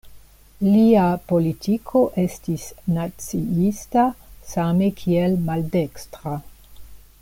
Lia politiko estis naciista same kiel maldekstra.